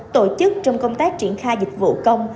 tổ chức trong công tác triển khai dịch vụ công